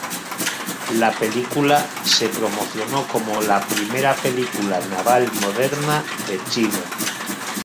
La película se promocionó como la "primera película naval moderna de China".